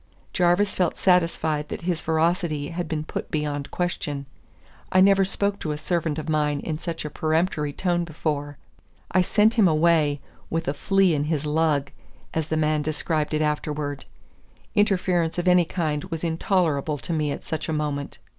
Jarvis felt satisfied that his veracity had been put beyond question. I never spoke to a servant of mine in such a peremptory tone before. I sent him away "with a flea in his lug," as the man described it afterwards. Interference of any kind was intolerable to me at such a moment.